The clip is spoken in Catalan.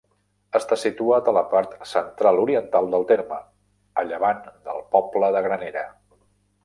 Està situat a la part central-oriental del terme, a llevant del poble de Granera.